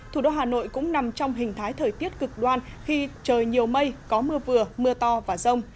thủ đô hà nội cũng nằm trong hình thái thời tiết cực đoan khi trời nhiều mây có mưa vừa mưa to và rông